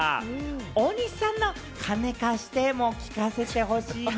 大西さんの「金かして」も聞かせてほしいな。